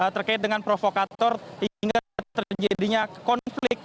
terkait dengan provokator hingga terjadinya konflik